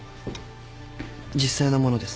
実際のものです。